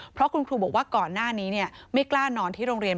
เพราะคุณครูบอกว่าก่อนหน้านี้ไม่กล้านอนที่โรงเรียน